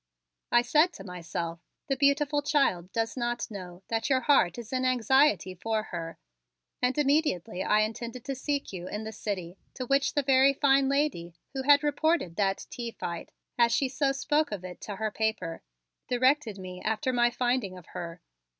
I said to myself, 'The beautiful child does not know that your heart is in anxiety for her,' and immediately I intended to seek you in the city, to which the very fine lady, who had reported that 'tea fight' as she so spoke of it to her paper, directed me after my finding of her.